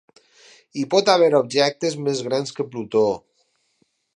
Hi pot haver objectes més grans que Plutó.